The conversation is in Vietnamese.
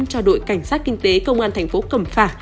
cho đội cảnh sát kinh tế công an thành phố cẩm phả